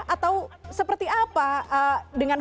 atau seperti apa dengan